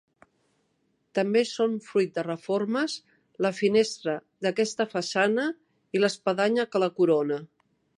També són fruit de reformes la finestra d'aquesta façana i l'espadanya que la corona.